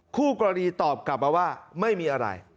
คู่กรณีตอบกลับมาว่าไม่มีอะไร